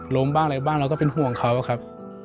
ล้มบ้างอะไรบ้างเราก็เป็นห่วงเขาครับ